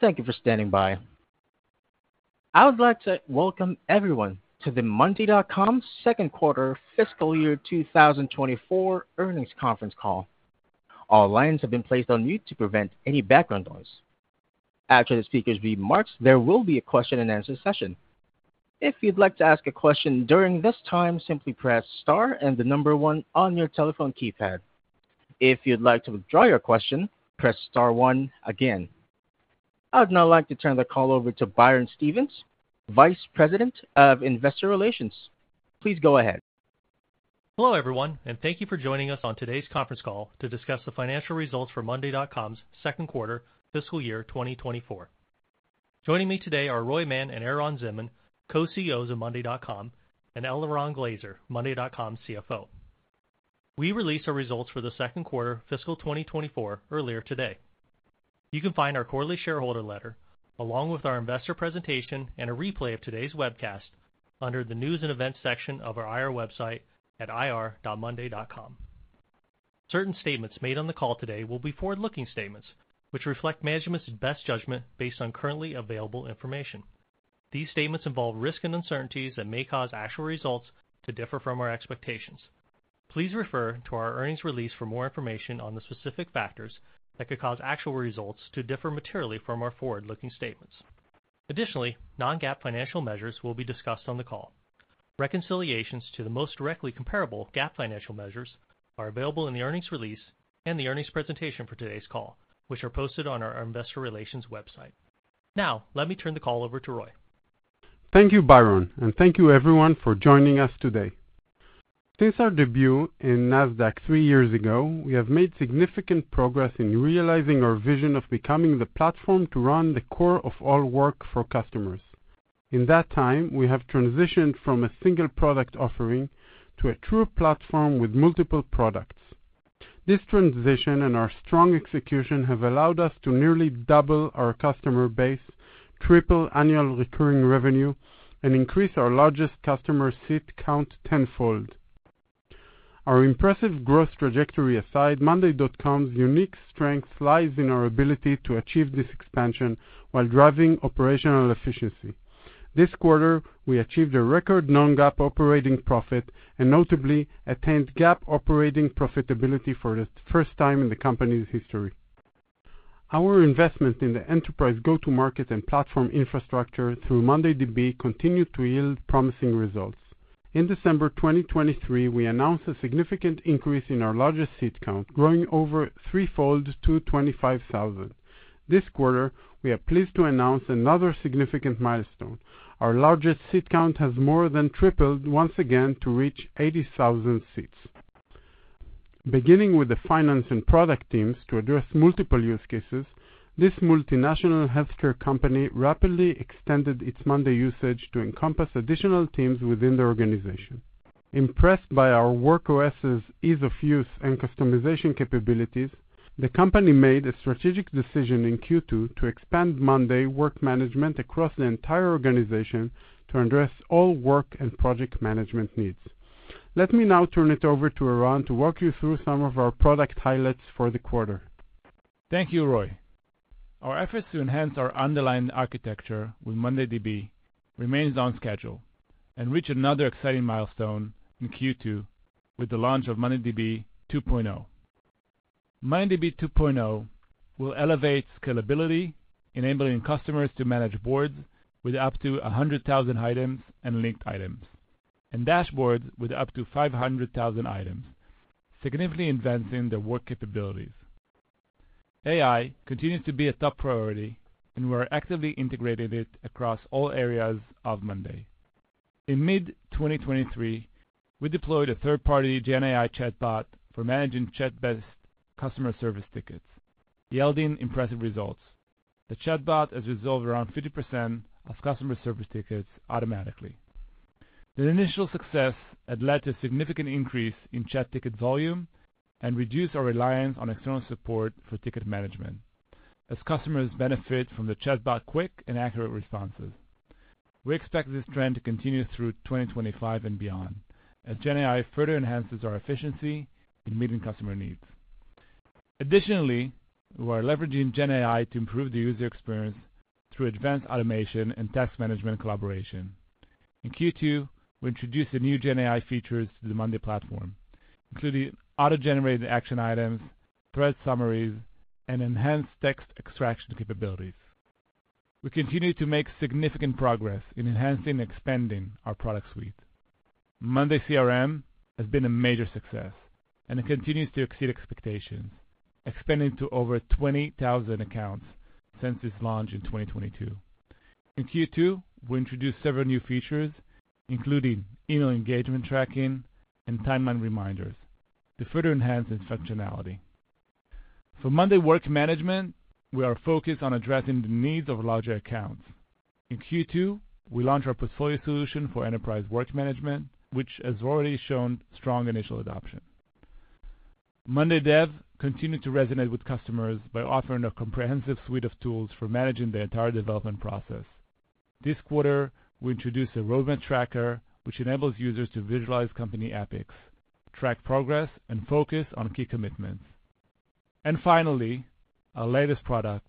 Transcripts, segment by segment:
Thank you for standing by. I would like to welcome everyone to the monday.com Second Quarter Fiscal Year 2024 Earnings Conference Call. All lines have been placed on mute to prevent any background noise. After the speakers' remarks, there will be a question-and-answer session. If you'd like to ask a question during this time, simply press star and the number one on your telephone keypad. If you'd like to withdraw your question, press star one again. I would now like to turn the call over to Byron Stephen, Vice President of Investor Relations. Please go ahead. Hello, everyone, and thank you for joining us on today's conference call to discuss the financial results for monday.com's second quarter fiscal year 2024. Joining me today are Roy Mann and Eran Zinman, Co-CEOs of monday.com, and Eliran Glazer, monday.com's CFO. We released our results for the second quarter of fiscal 2024 earlier today. You can find our quarterly shareholder letter, along with our investor presentation and a replay of today's webcast, under the News and Events section of our IR website at ir.monday.com. Certain statements made on the call today will be forward-looking statements, which reflect management's best judgment based on currently available information. These statements involve risks and uncertainties that may cause actual results to differ from our expectations. Please refer to our earnings release for more information on the specific factors that could cause actual results to differ materially from our forward-looking statements. Additionally, Non-GAAP financial measures will be discussed on the call. Reconciliations to the most directly comparable GAAP financial measures are available in the earnings release and the earnings presentation for today's call, which are posted on our investor relations website. Now, let me turn the call over to Roy. Thank you, Byron, and thank you everyone for joining us today. Since our debut in NASDAQ three years ago, we have made significant progress in realizing our vision of becoming the platform to run the core of all work for customers. In that time, we have transitioned from a single product offering to a true platform with multiple products. This transition and our strong execution have allowed us to nearly double our customer base, triple annual recurring revenue, and increase our largest customer seat count tenfold. Our impressive growth trajectory aside, monday.com's unique strength lies in our ability to achieve this expansion while driving operational efficiency. This quarter, we achieved a record non-GAAP operating profit and notably attained GAAP operating profitability for the first time in the company's history. Our investment in the enterprise go-to-market and platform infrastructure through mondayDB continued to yield promising results. In December 2023, we announced a significant increase in our largest seat count, growing over threefold to 25,000. This quarter, we are pleased to announce another significant milestone. Our largest seat count has more than tripled once again to reach 80,000 seats. Beginning with the finance and product teams to address multiple use cases, this multinational healthcare company rapidly extended its monday usage to encompass additional teams within the organization. Impressed by our Work OS's ease of use and customization capabilities, the company made a strategic decision in Q2 to expand monday work management across the entire organization to address all work and project management needs. Let me now turn it over to Eran to walk you through some of our product highlights for the quarter. Thank you, Roy. Our efforts to enhance our underlying architecture with mondayDB remains on schedule and reached another exciting milestone in Q2 with the launch of mondayDB 2.0. mondayDB 2.0, will elevate scalability, enabling customers to manage boards with up to 100,000 items and linked items, and dashboards with up to 500,000 items, significantly advancing the work capabilities. AI continues to be a top priority, and we are actively integrating it across all areas of monday.com. In mid-2023, we deployed a third-party GenAI chatbot for managing chat-based customer service tickets, yielding impressive results. The chatbot has resolved around 50% of customer service tickets automatically. The initial success had led to a significant increase in chat ticket volume and reduced our reliance on external support for ticket management as customers benefit from the chatbot quick and accurate responses. We expect this trend to continue through 2025 and beyond, as GenAI further enhances our efficiency in meeting customer needs. Additionally, we are leveraging GenAI to improve the user experience through advanced automation and task management collaboration. In Q2, we introduced the new GenAI features to the monday platform, including auto-generated action items, thread summaries, and enhanced text extraction capabilities. We continue to make significant progress in enhancing and expanding our product suite. monday CRM has been a major success, and it continues to exceed expectations, expanding to over 20,000 accounts since its launch in 2022. In Q2, we introduced several new features, including email engagement tracking and timeline reminders, to further enhance its functionality. For monday work management, we are focused on addressing the needs of larger accounts. In Q2, we launched our portfolio solution for enterprise work management, which has already shown strong initial adoption. monday dev continued to resonate with customers by offering a comprehensive suite of tools for managing the entire development process. This quarter, we introduced a roadmap tracker, which enables users to visualize company epics, track progress, and focus on key commitments. And finally, our latest product,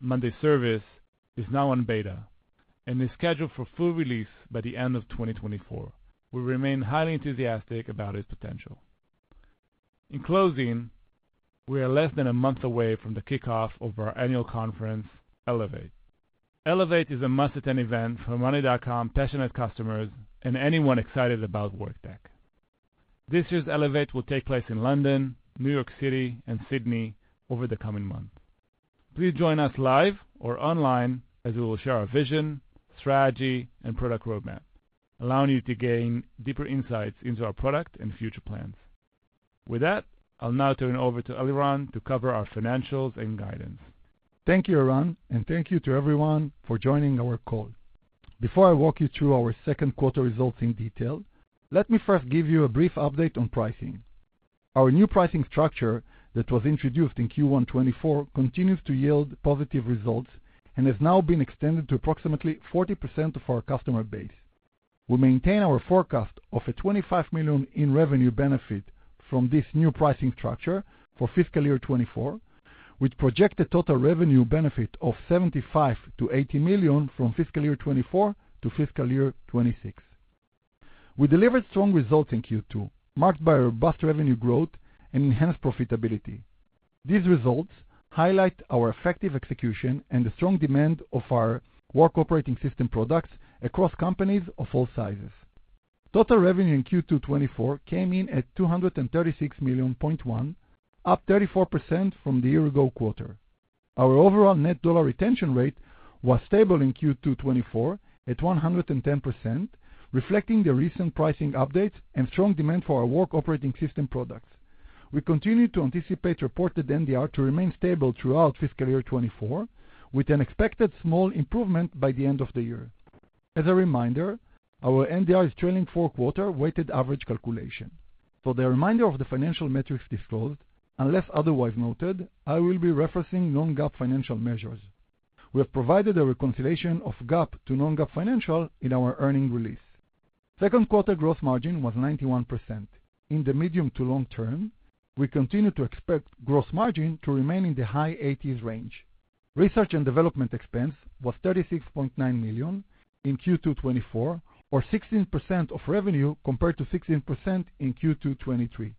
monday service, is now on beta and is scheduled for full release by the end of 2024. We remain highly enthusiastic about its potential. In closing, we are less than a month away from the kickoff of our annual conference, Elevate. Elevate is a must-attend event for monday.com's passionate customers and anyone excited about Work Tech. This year's Elevate will take place in London, New York City, and Sydney over the coming months. Please join us live or online, as we will share our vision, strategy, and product roadmap, allowing you to gain deeper insights into our product and future plans. With that, I'll now turn it over to Eliran to cover our financials and guidance. Thank you, Eran, and thank you to everyone for joining our call. Before I walk you through our second quarter results in detail, let me first give you a brief update on pricing. Our new pricing structure that was introduced in Q1 2024 continues to yield positive results and has now been extended to approximately 40% of our customer base. We maintain our forecast of a $25 million in revenue benefit from this new pricing structure for fiscal year 2024, with projected total revenue benefit of $75 million-$80 million from fiscal year 2024 to fiscal year 2026. We delivered strong results in Q2, marked by robust revenue growth and enhanced profitability. These results highlight our effective execution and the strong demand of our Work Operating System products across companies of all sizes. Total revenue in Q2 2024 came in at $236.1 million, up 34% from the year-ago quarter. Our overall net dollar retention rate was stable in Q2 2024 at 110%, reflecting the recent pricing updates and strong demand for our Work Operating System products. We continue to anticipate reported NDR to remain stable throughout fiscal year 2024, with an expected small improvement by the end of the year. As a reminder, our NDR is trailing four-quarter weighted average calculation. For the remainder of the financial metrics disclosed, unless otherwise noted, I will be referencing non-GAAP financial measures. We have provided a reconciliation of GAAP to non-GAAP financials in our earnings release. Second quarter gross margin was 91%. In the medium to long term, we continue to expect gross margin to remain in the high 80%s range. Research and development expense was $36.9 million in Q2 2024, or 16% of revenue, compared to 16% in Q2 2023.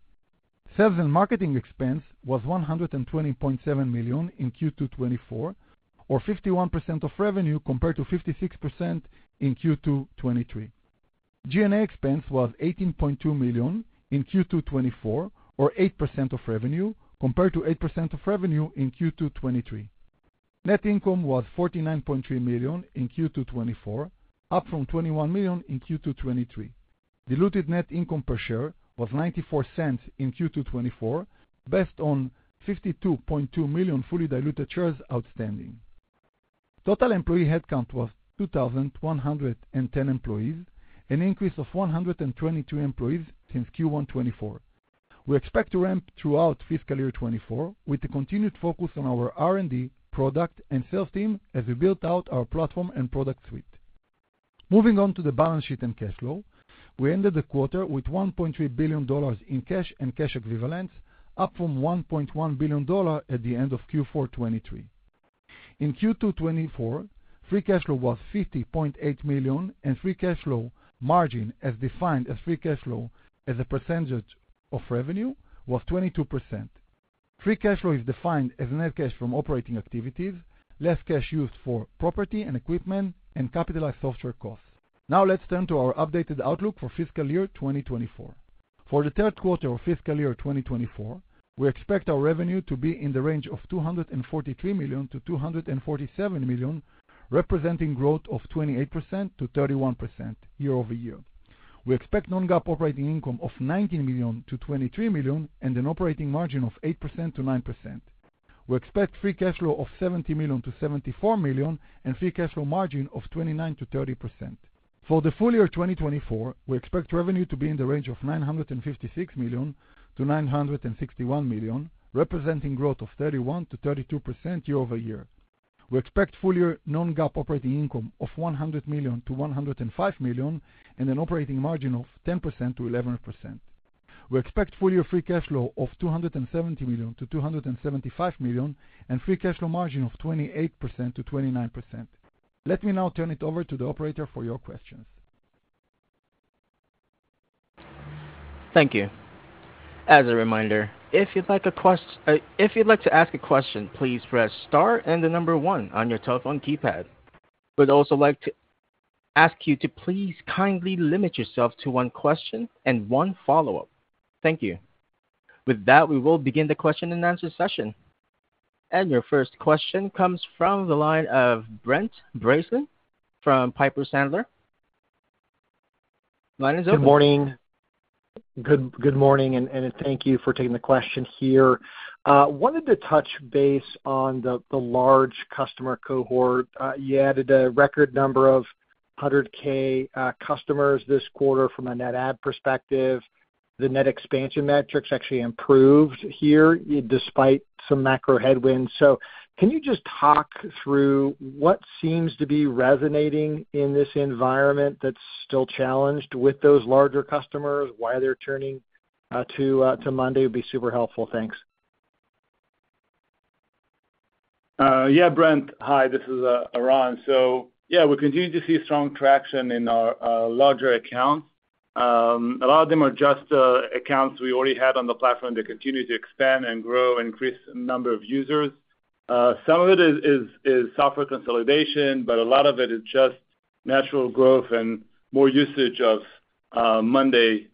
Sales and marketing expense was $120.7 million in Q2 2024, or 51% of revenue, compared to 56% in Q2 2023. G&A expense was $18.2 million in Q2 2024, or 8% of revenue, compared to 8% of revenue in Q2 2023. Net income was $49.3 million in Q2 2024, up from $21 million in Q2 2023. Diluted net income per share was $0.94 in Q2 2024, based on 52.2 million fully diluted shares outstanding. Total employee headcount was 2,110 employees, an increase of 122 employees since Q1 2024. We expect to ramp throughout fiscal year 2024, with a continued focus on our R&D, product, and sales team as we build out our platform and product suite. Moving on to the balance sheet and cash flow. We ended the quarter with $1.3 billion in cash and cash equivalents, up from $1.1 billion at the end of Q4 2023. In Q2 2024, free cash flow was $50.8 million, and free cash flow margin, as defined as free cash flow as a percentage of revenue, was 22%. Free cash flow is defined as net cash from operating activities, less cash used for property and equipment and capitalized software costs. Now, let's turn to our updated outlook for fiscal year 2024. For the third quarter of fiscal year 2024, we expect our revenue to be in the range of $243 million-$247 million, representing growth of 28% to 31% year-over-year. We expect non-GAAP operating income of $19 million-$23 million, and an operating margin of 8%-9%. We expect free cash flow of $70 million-$74 million, and free cash flow margin of 29%-30%. For the full year 2024, we expect revenue to be in the range of $956 million-$961 million, representing growth of 31% to 32% year-over-year. We expect full year non-GAAP operating income of $100 million-$105 million, and an operating margin of 10%-11%. We expect full year free cash flow of $270 million-$275 million, and free cash flow margin of 28%-29%. Let me now turn it over to the operator for your questions. Thank you. As a reminder, if you'd like to ask a question, please press star and the number one on your telephone keypad. We'd also like to ask you to please kindly limit yourself to one question and one follow-up. Thank you. With that, we will begin the question-and-answer session. Your first question comes from the line of Brent Bracelin from Piper Sandler. Line is open. Good morning. Good morning, and thank you for taking the question here. Wanted to touch base on the large customer cohort. You added a record number of 100,000 customers this quarter from a net add perspective. The net expansion metrics actually improved here, despite some macro headwinds. So can you just talk through what seems to be resonating in this environment that's still challenged with those larger customers, why they're turning to monday.com, would be super helpful? Thanks. Yeah, Brent. Hi, this is Eran. So yeah, we continue to see strong traction in our larger accounts. A lot of them are just accounts we already had on the platform. They continue to expand and grow, increase the number of users. Some of it is software consolidation, but a lot of it is just natural growth and more usage of monday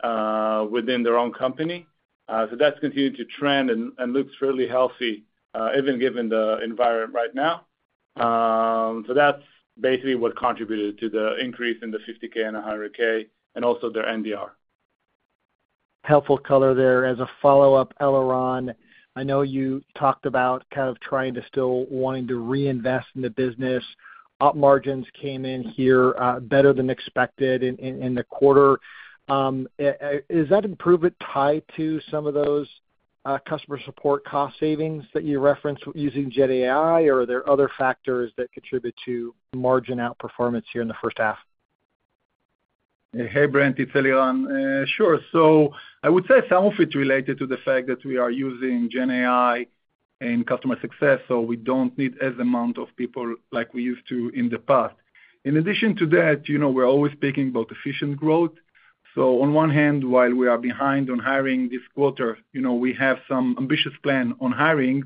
within their own company. So that's continued to trend and looks really healthy, even given the environment right now. So that's basically what contributed to the increase in the $50,000 and $100,000, and also their NDR. Helpful color there. As a follow-up, Eliran, I know you talked about kind of trying to still wanting to reinvest in the business. Op margins came in here better than expected in the quarter. Is that improvement tied to some of those customer support cost savings that you referenced using GenAI, or are there other factors that contribute to margin outperformance here in the first half? Hey, Brent, it's Eliran. Sure. So I would say some of it's related to the fact that we are using GenAI in customer success, so we don't need as amount of people like we used to in the past. In addition to that, you know, we're always speaking about efficient growth. So on one hand, while we are behind on hiring this quarter, you know, we have some ambitious plan on hiring,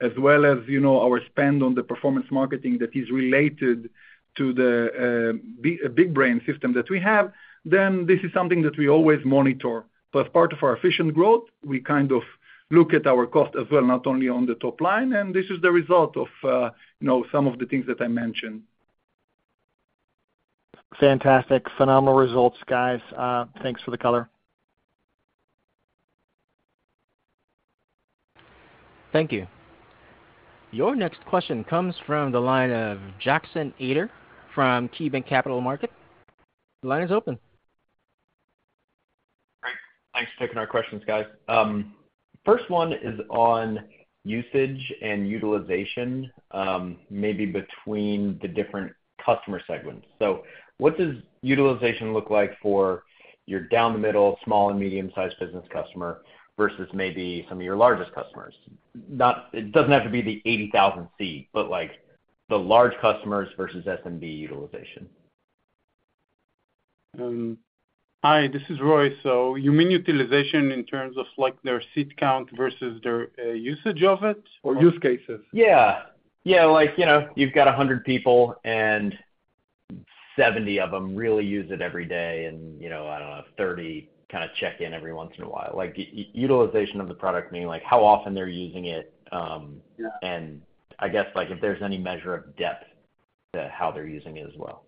as well as, you know, our spend on the performance marketing that is related to the BigBrain system that we have, then this is something that we always monitor. But as part of our efficient growth, we kind of look at our cost as well, not only on the top line, and this is the result of, you know, some of the things that I mentioned. Fantastic. Phenomenal results, guys. Thanks for the color. Thank you. Your next question comes from the line of Jackson Ader from KeyBanc Capital Markets. The line is open. Great. Thanks for taking our questions, guys. First one is on usage and utilization, maybe between the different customer segments. So what does utilization look like for your down-the-middle, small, and medium-sized business customer versus maybe some of your largest customers? Not—it doesn't have to be the 80,000-seat, but, like, the large customers versus SMB utilization. Hi, this is Roy. So you mean utilization in terms of, like, their seat count versus their usage of it, or use cases? Yeah. Yeah, like, you know, you've got 100 people, and 70 of them really use it every day and, you know, I don't know, 30 kinda check in every once in a while. Like, utilization of the product, meaning, like, how often they're using it. Yeah And I guess, like, if there's any measure of depth to how they're using it as well.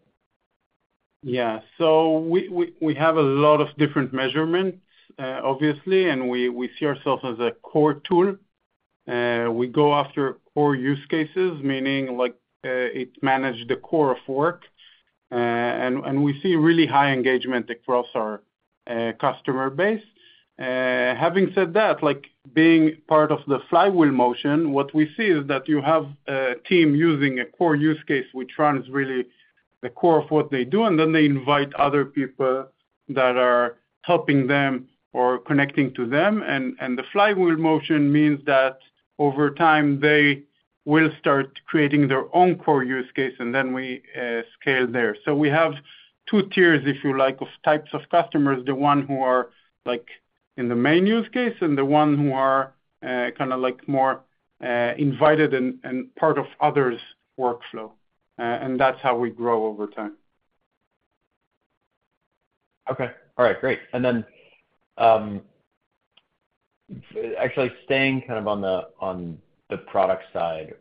Yeah. So we have a lot of different measurements, obviously, and we see ourselves as a core tool. We go after core use cases, meaning like, it manage the core of work. And we see really high engagement across our customer base. Having said that, like, being part of the flywheel motion, what we see is that you have a team using a core use case, which runs really the core of what they do, and then they invite other people that are helping them or connecting to them. And the flywheel motion means that over time, they will start creating their own core use case, and then we scale there. So we have two tiers, if you like, of types of customers, the one who are, like, in the main use case, and the one who are kinda like more invited and part of others' workflow. And that's how we grow over time. Okay. All right, great. And then, actually staying kind of on the product side,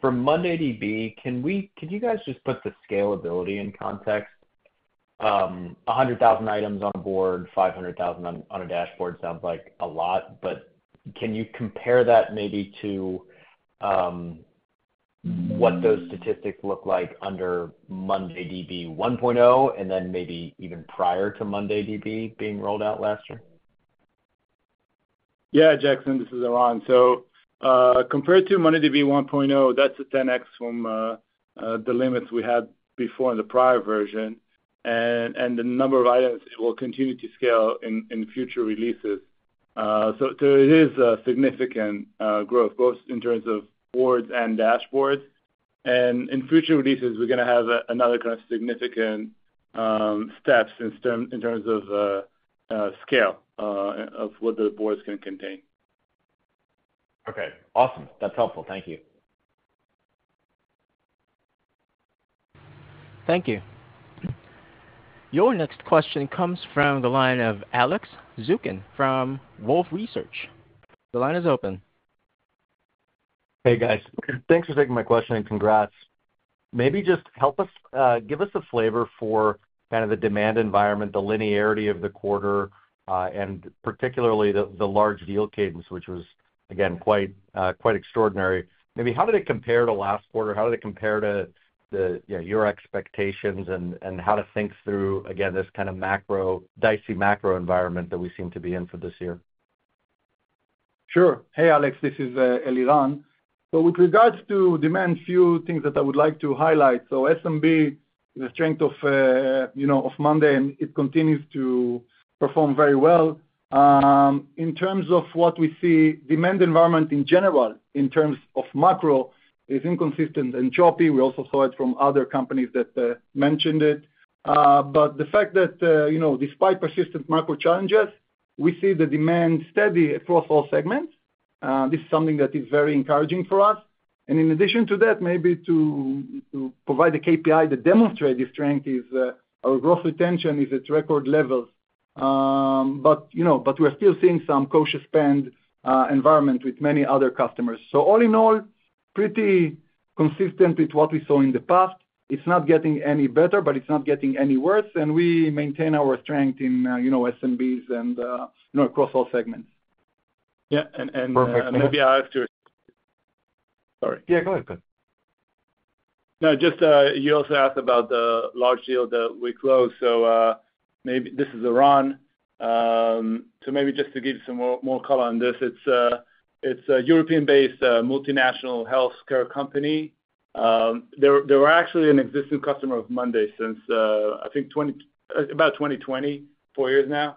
for mondayDB, could you guys just put the scalability in context? A 100,000 items on a board, 500,000 on a dashboard sounds like a lot, but can you compare that maybe to what those statistics look like under mondayDB 1.0, and then maybe even prior to mondayDB being rolled out last year? Yeah, Jackson, this is Eran. So, compared to mondayDB 1.0, that's a 10x from the limits we had before in the prior version, and the number of items it will continue to scale in future releases. So, it is a significant growth, both in terms of boards and dashboards. And in future releases, we're gonna have another kind of significant steps in terms of scale of what the boards can contain. Okay. Awesome, that's helpful. Thank you. Thank you. Your next question comes from the line of Alex Zukin from Wolfe Research. The line is open. Hey, guys. Thanks for taking my question, and congrats. Maybe just help us give us a flavor for kind of the demand environment, the linearity of the quarter, and particularly the large deal cadence, which was, again, quite extraordinary. Maybe how did it compare to last quarter? How did it compare to the, you know, your expectations, and how to think through, again, this kind of macro, dicey macro environment that we seem to be in for this year? Sure. Hey, Alex, this is Eliran. So with regards to demand, few things that I would like to highlight. So SMB, the strength of, you know, of monday, and it continues to perform very well. In terms of what we see, demand environment in general, in terms of macro, is inconsistent and choppy. We also saw it from other companies that mentioned it. But the fact that, you know, despite persistent macro challenges, we see the demand steady across all segments, this is something that is very encouraging for us. And in addition to that, maybe to provide a KPI to demonstrate this strength is our growth retention is at record levels. But, you know, but we're still seeing some cautious spend environment with many other customers. So all in all, pretty consistent with what we saw in the past. It's not getting any better, but it's not getting any worse, and we maintain our strength in, you know, SMBs and, you know, across all segments. Yeah, and Perfect. Maybe I'll ask you. Sorry. Yeah, go ahead, please. No, just, you also asked about the large deal that we closed. So, this is Eran. So maybe just to give you some more, more color on this, it's a, it's a European-based, multinational healthcare company. They were, they were actually an existing customer of monday since, I think about 2020, four years now.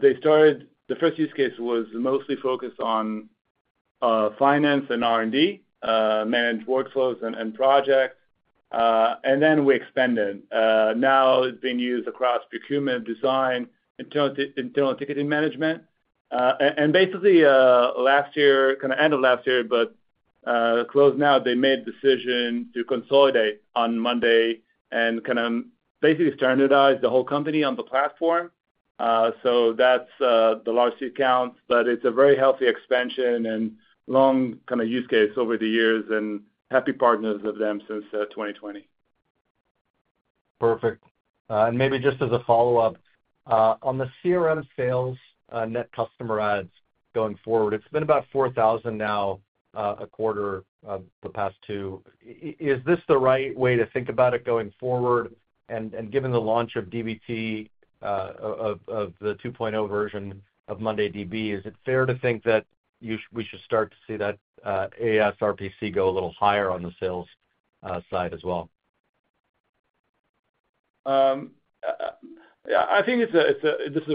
They started, the first use case was mostly focused on, finance and R&D, managed workflows and, and projects, and then we expanded. Now it's being used across procurement, design, internal ticketing management. And, and basically, last year, kind of end of last year, but, close now, they made decision to consolidate on Monday and kind of basically standardize the whole company on the platform. So that's the large seat count, but it's a very healthy expansion and long kind of use case over the years, and happy partners with them since 2020. Perfect. And maybe just as a follow-up, on the CRM sales, net customer adds going forward, it's been about 4,000 now, a quarter, the past two. Is this the right way to think about it going forward? And given the launch of the 2.0 version of mondayDB, is it fair to think that we should start to see that, ARPC go a little higher on the sales, side as well? Yeah. This is Eran again. So I think it's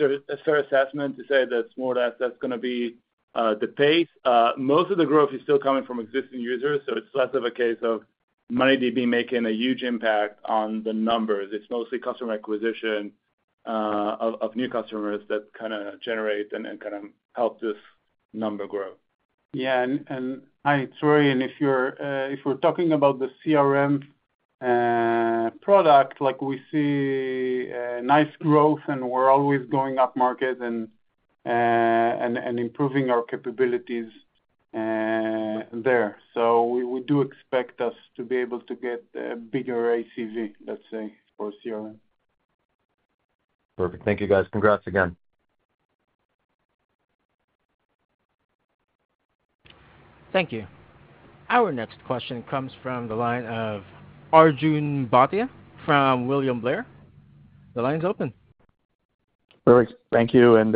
a fair assessment to say that more or less that's gonna be the pace. Most of the growth is still coming from existing users, so it's less of a case of mondayDB making a huge impact on the numbers. It's mostly customer acquisition of new customers that kinda generate and then kind of help this number grow. Yeah. Hi, it's Roy. And if we're talking about the CRM product, like we see nice growth, and we're always going upmarket and improving our capabilities there. So we do expect to be able to get a bigger ACV, let's say, for CRM. Perfect. Thank you, guys. Congrats again. Thank you. Our next question comes from the line of Arjun Bhatia from William Blair. The line's open. Perfect. Thank you, and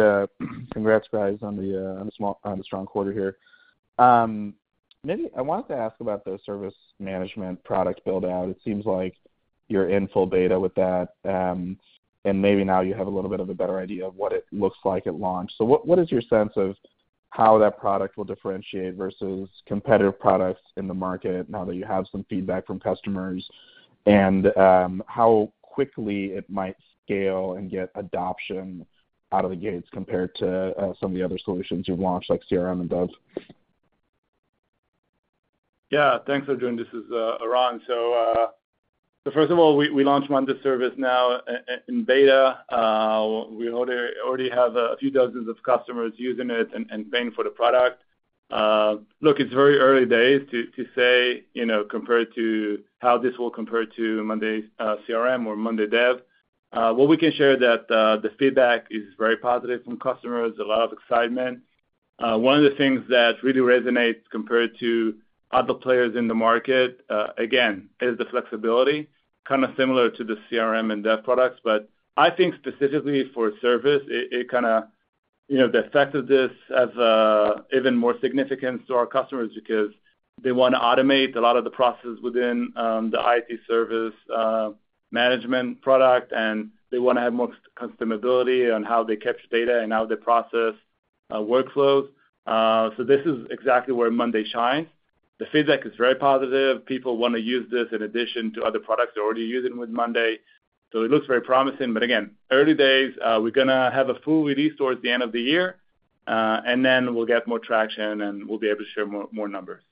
congrats, guys, on the strong quarter here. Maybe I wanted to ask about the service management product build-out. It seems like you're in full beta with that, and maybe now you have a little bit of a better idea of what it looks like at launch. So what is your sense of how that product will differentiate versus competitive products in the market now that you have some feedback from customers, and how quickly it might scale and get adoption out of the gates compared to some of the other solutions you've launched, like CRM and Dev? Yeah. Thanks, Arjun. This is Eran. So first of all, we launched monday service now in beta. We already have a few dozen customers using it and paying for the product. Look, it's very early days to say, you know, compared to how this will compare to monday's CRM or monday dev. What we can share is that the feedback is very positive from customers, a lot of excitement. One of the things that really resonates compared to other players in the market, again, is the flexibility, kind of similar to the CRM and dev products. But I think specifically for service, it kinda, you know, the effectiveness is even more significant to our customers because they wanna automate a lot of the processes within the IT service management product, and they wanna have more customizability on how they catch data and how they process workflows. So this is exactly where monday shines. The feedback is very positive. People wanna use this in addition to other products they're already using with monday. So it looks very promising, but again, early days. We're gonna have a full release towards the end of the year, and then we'll get more traction, and we'll be able to share more, more numbers.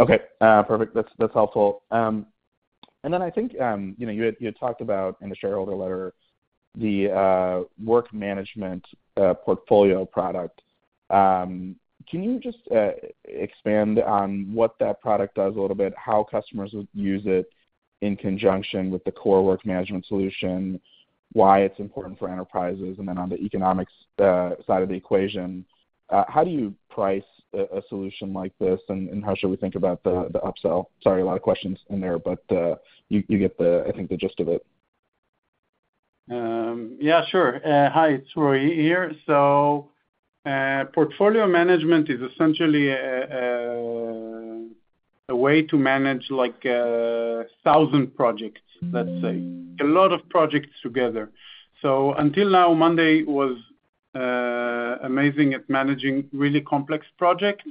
Okay, perfect. That's, that's helpful. And then I think, you know, you had, you had talked about in the shareholder letter the work management portfolio product. Can you just expand on what that product does a little bit, how customers would use it in conjunction with the core work management solution, why it's important for enterprises? And then on the economics side of the equation, how do you price a solution like this, and how should we think about the upsell? Sorry, a lot of questions in there, but you get the, I think, the gist of it. Yeah, sure. Hi, it's Roy here. So, portfolio management is essentially a way to manage, like, 1,000 projects, let's say, a lot of projects together. So until now, Monday was amazing at managing really complex projects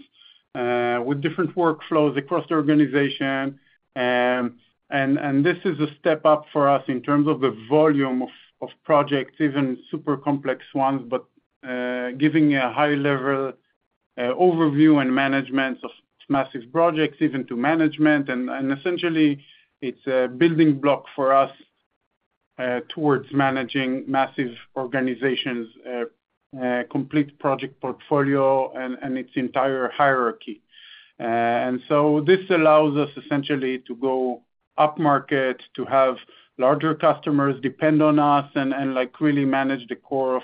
with different workflows across the organization. And this is a step up for us in terms of the volume of projects, even super complex ones, but giving a high level overview and management of massive projects, even to management. And essentially, it's a building block for us towards managing massive organizations, complete project portfolio and its entire hierarchy. And so this allows us essentially to go upmarket, to have larger customers depend on us and, like, really manage the core of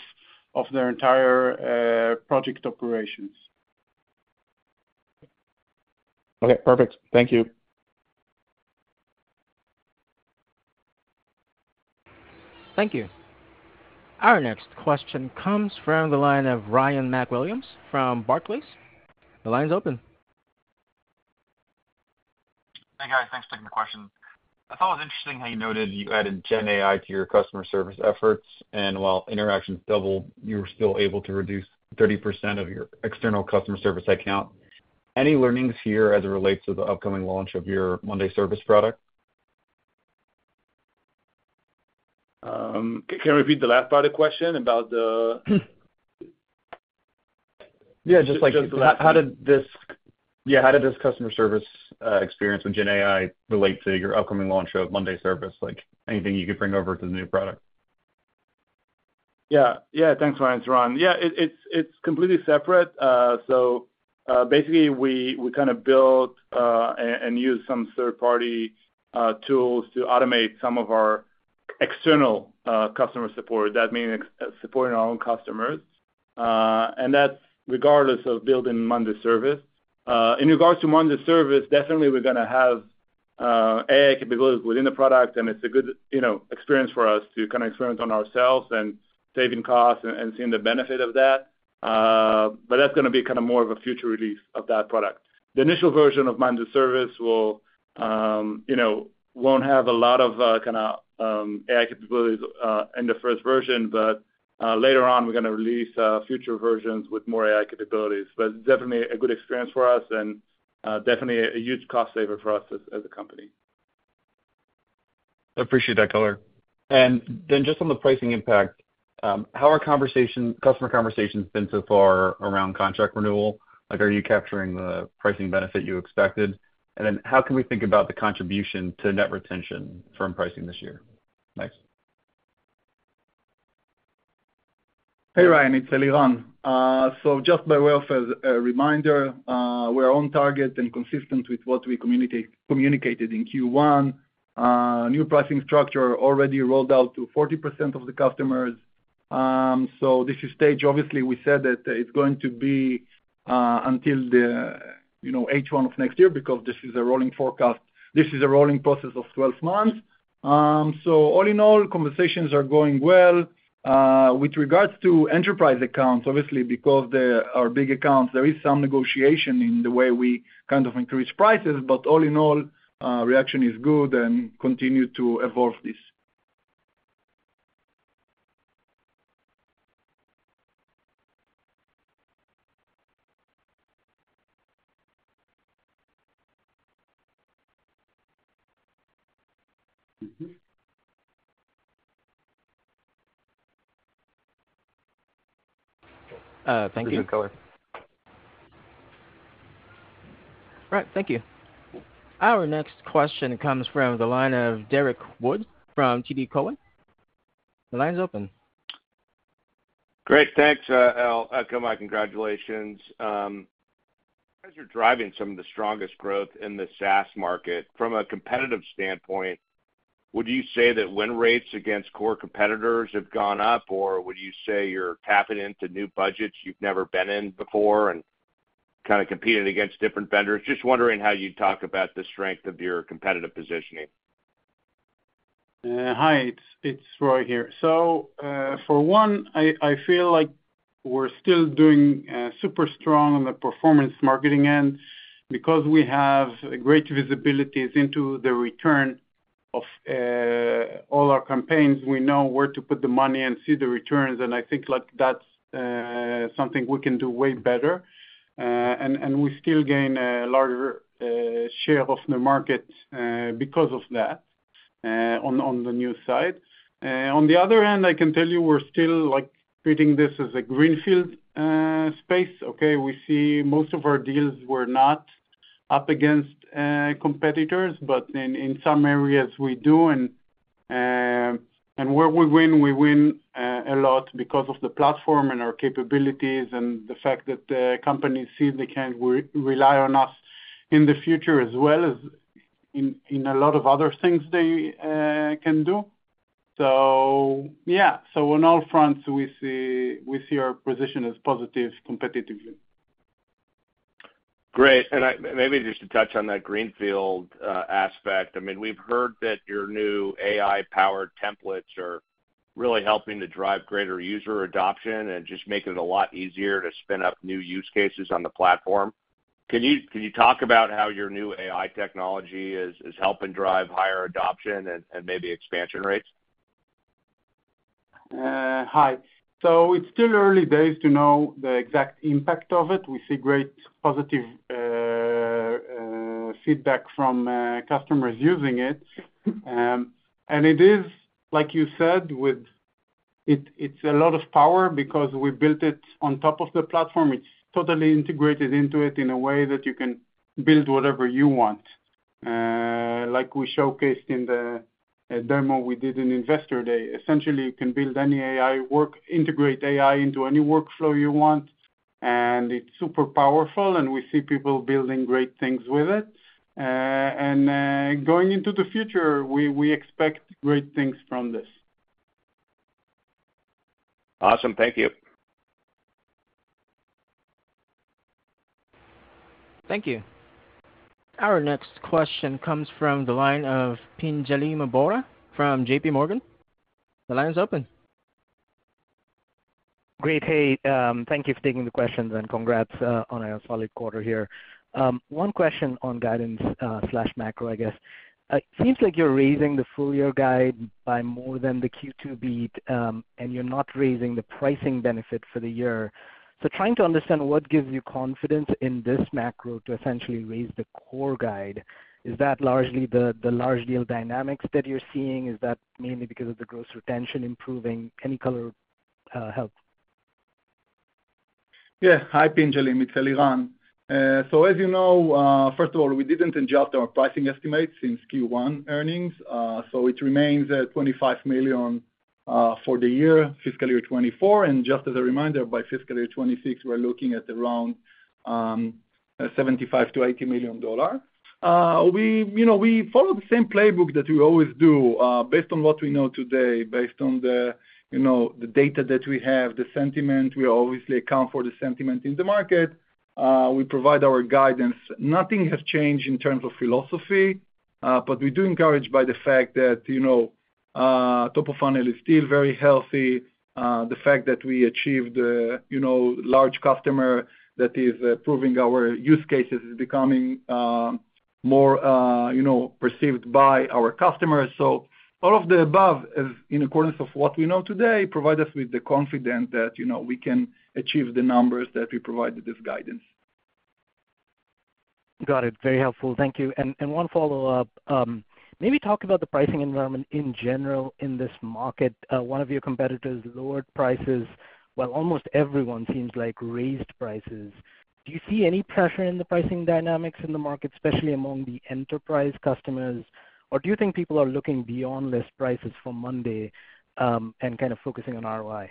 their entire project operations. Okay, perfect. Thank you. Thank you. Our next question comes from the line of Ryan MacWilliams from Barclays. The line is open. Hey, guys. Thanks for taking the question. I thought it was interesting how you noted you added GenAI to your customer service efforts, and while interactions doubled, you were still able to reduce 30% of your external customer service account. Any learnings here as it relates to the upcoming launch of your monday service product? Can you repeat the last part of the question about the? Yeah, just like- Just the last one. Yeah, how did this customer service experience with GenAI relate to your upcoming launch of monday service? Like, anything you could bring over to the new product? Yeah. Yeah, thanks, Ryan. It's Eran. Yeah, it's completely separate. So, basically we kinda built and use some third-party tools to automate some of our external customer support. That means supporting our own customers and that's regardless of building monday service. In regards to monday service, definitely we're gonna have AI capabilities within the product, and it's a good, you know, experience for us to kinda experience on ourselves and saving costs and seeing the benefit of that. But that's gonna be kinda more of a future release of that product. The initial version of monday service will, you know, won't have a lot of kinda AI capabilities in the first version, but later on, we're gonna release future versions with more AI capabilities. But definitely a good experience for us and definitely a huge cost saver for us as a company. I appreciate that color. And then just on the pricing impact, how are customer conversations been so far around contract renewal? Like, are you capturing the pricing benefit you expected? And then how can we think about the contribution to net retention from pricing this year? Thanks. Hey, Ryan, it's Eliran. So just by way of reminder, we're on target and consistent with what we communicated in Q1. New pricing structure already rolled out to 40% of the customers. So this is stage. Obviously, we said that it's going to be until the, you know, H1 of next year because this is a rolling forecast. This is a rolling process of 12 months. So all in all, conversations are going well. With regards to enterprise accounts, obviously, because they are big accounts, there is some negotiation in the way we kind of increase prices, but all in all, reaction is good and continue to evolve this. Thank you. Good color. All right. Thank you. Our next question comes from the line of Derrick Wood from TD Cowen. The line is open. Great. Thanks, El and company, congratulations. As you're driving some of the strongest growth in the SaaS market, from a competitive standpoint, would you say that win rates against core competitors have gone up, or would you say you're tapping into new budgets you've never been in before and kinda competing against different vendors? Just wondering how you'd talk about the strength of your competitive positioning. Hi, it's Roy here. So, for one, I feel like we're still doing super strong on the performance marketing end because we have great visibilities into the return of all our campaigns. We know where to put the money and see the returns, and I think, like, that's something we can do way better, and we still gain a larger share of the market because of that. On the new side. On the other hand, I can tell you we're still, like, treating this as a greenfield space, okay? We see most of our deals were not up against competitors, but in some areas we do, and where we win, we win a lot because of the platform and our capabilities and the fact that the companies see they can rely on us in the future, as well as in a lot of other things they can do. So yeah, so on all fronts, we see our position as positive competitively. Great. And maybe just to touch on that greenfield aspect. I mean, we've heard that your new AI-powered templates are really helping to drive greater user adoption and just making it a lot easier to spin up new use cases on the platform. Can you talk about how your new AI technology is helping drive higher adoption and maybe expansion rates? Hi. So it's still early days to know the exact impact of it. We see great positive feedback from customers using it. And it is, like you said, it's a lot of power because we built it on top of the platform. It's totally integrated into it in a way that you can build whatever you want. Like we showcased in the demo we did in Investor Day. Essentially, you can integrate AI into any workflow you want, and it's super powerful, and we see people building great things with it. And going into the future, we expect great things from this. Awesome. Thank you. Thank you. Our next question comes from the line of Pinjalim Bora from JPMorgan. The line is open. Great. Hey, thank you for taking the questions, and congrats on a solid quarter here. One question on guidance, slash macro, I guess. It seems like you're raising the full year guide by more than the Q2 beat, and you're not raising the pricing benefit for the year. So trying to understand what gives you confidence in this macro to essentially raise the core guide. Is that largely the large deal dynamics that you're seeing? Is that mainly because of the gross retention improving? Any color, help? Yeah. Hi, Pinjalim, it's Eliran. So as you know, first of all, we didn't adjust our pricing estimates since Q1 earnings, so it remains at $25 million for the year, fiscal year 2024. Just as a reminder, by fiscal year 2026, we're looking at around $75 million-$80 million. We, you know, we follow the same playbook that we always do, based on what we know today, based on the, you know, the data that we have, the sentiment. We obviously account for the sentiment in the market, we provide our guidance. Nothing has changed in terms of philosophy, but we do encouraged by the fact that, you know, top of funnel is still very healthy, the fact that we achieved, you know, large customer that is, proving our use cases is becoming, more, you know, perceived by our customers. So all of the above, as in accordance of what we know today, provide us with the confidence that, you know, we can achieve the numbers that we provided as guidance. Got it. Very helpful. Thank you. One follow-up. Maybe talk about the pricing environment in general in this market. One of your competitors lowered prices, while almost everyone seems like raised prices. Do you see any pressure in the pricing dynamics in the market, especially among the enterprise customers, or do you think people are looking beyond list prices for Monday, and kind of focusing on ROI?